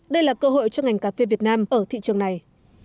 đây là cơ hội cho ngành cà phê việt nam ở thị trường này